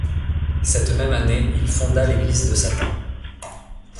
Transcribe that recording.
Cette même année, il fonda l'Église de Satan.